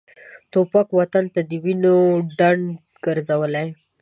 توپک وطن د وینو ډنډ ګرځولی.